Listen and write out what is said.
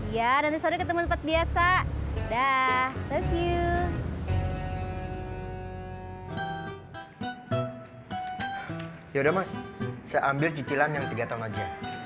ya nanti sore ketemu tempat biasa dah love you ya udah mas saya ambil cicilan yang tiga tahun aja